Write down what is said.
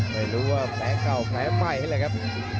ใครรู้ว่าแฟ้เก่าแฟ้ไหมนะครับ